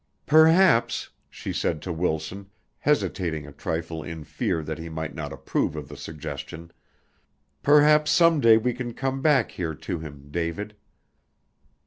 "Perhaps," she said to Wilson, hesitating a trifle in fear that he might not approve of the suggestion, "perhaps some day we can come back here to him, David."